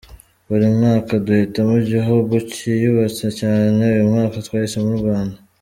’Buri mwaka duhitamo igihugu kiyubatse cyane, uyu mwaka twahisemo u Rwanda.